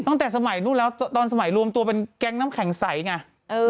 ตั้งแต่สมัยนู้นแล้วตอนสมัยรวมตัวเป็นแก๊งน้ำแข็งใสไง